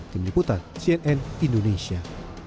tim liputan cnn indonesia